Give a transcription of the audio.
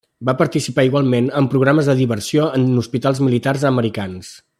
Va participar igualment en programes de diversió en hospitals militars americans.